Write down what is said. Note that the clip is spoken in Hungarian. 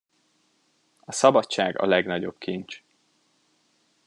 A szabadság a legnagyobb kincs.